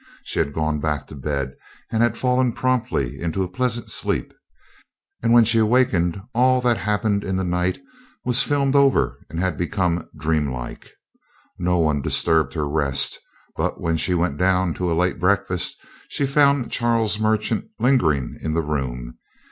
She had gone back to bed and fallen promptly into a pleasant sleep. And when she wakened all that happened in the night was filmed over and had become dreamlike. No one disturbed her rest; but when she went down to a late breakfast she found Charles Merchant lingering in the room.